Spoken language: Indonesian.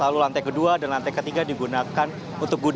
lalu lantai kedua dan lantai ketiga digunakan untuk